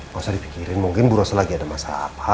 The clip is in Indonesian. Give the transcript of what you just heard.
gak usah dipikirin mungkin bu rosa lagi ada masalah apa